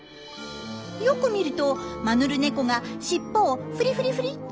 よく見るとマヌルネコがしっぽをフリフリフリ。